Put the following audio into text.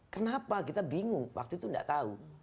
kenapa kita bingung waktu itu tidak tahu